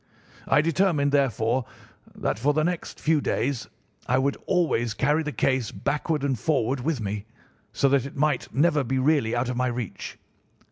I determined, therefore, that for the next few days I would always carry the case backward and forward with me, so that it might never be really out of my reach.